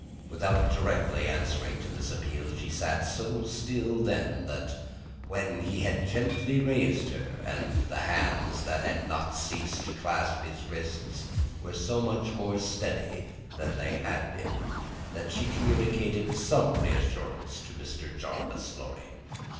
Without directly answering to this appeal, she sat so still when he had very gently raised her, and the hands that had not ceased to clasp his wrists were so much more steady than they had been, that she communicated some reassurance to Mr. Jarvis Lorry.